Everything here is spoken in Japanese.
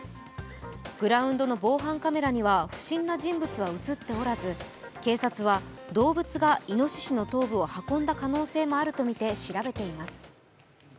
グラウンドの防犯カメラには不審な人物は映っておらず、警察は動物がいのししの頭部を運んだ可能性もあるとみて調べています。